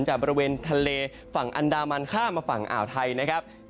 จากบริเวณทะเลฝั่งอันดามันข้ามมาฝั่งอ่าวไทยนะครับ